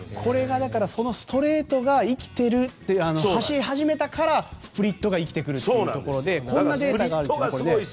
だから、ストレートが生きているという走り始めたから、スプリットが生きてくるというところでこんなデータがあります。